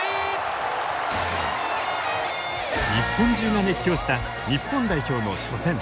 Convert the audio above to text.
日本中が熱狂した日本代表の初戦。